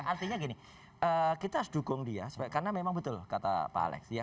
artinya gini kita harus dukung dia karena memang betul kata pak alex